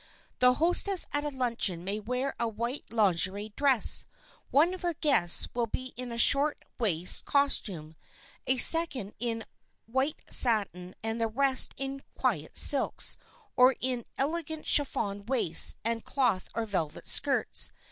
The hostess at a luncheon may wear a white lingerie dress, one of her guests will be in a shirt waist costume, a second in white satin and the rest in quiet silks or in elegant chiffon waists and cloth or velvet skirts.